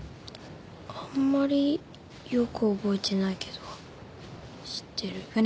あんまりよく覚えてないけど知ってる。